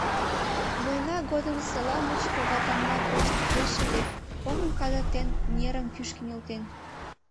— Война годым села мучко агытанла коштеш ыле: оҥым кадыртен, нерым кӱшкӧ нӧлтен.